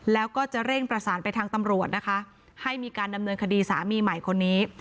แล้วก็จะเร่งประสานไปทางตำรวจนะคะให้มีการดำเนินคดีสามีใหม่คนนี้